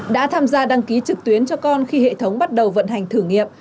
đã tham gia đăng ký trực tuyến cho con khi hệ thống bắt đầu vận hành thử nghiệm